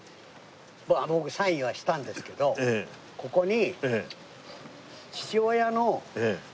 僕サインはしたんですけどここに。